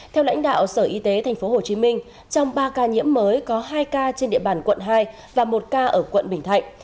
theo lãnh đạo sở y tế tp hcm trong ba ca nhiễm mới có hai ca trên địa bàn quận hai và một ca ở quận bình thạnh